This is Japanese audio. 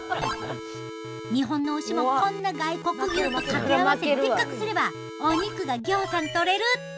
日本の牛もこんな外国牛と掛け合わせでっかくすればお肉がぎょうさん取れる。